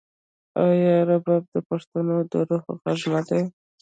آیا رباب د پښتنو د روح غږ نه دی؟